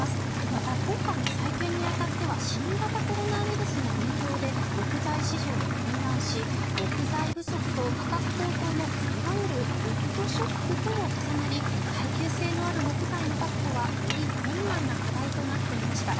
また、今回の再建に当たっては新型コロナウイルスの影響で木材市場が混乱し、木材不足と価格高騰のいわゆるウッドショックとも重なり耐久性のある木材の確保はより困難な課題となっていました。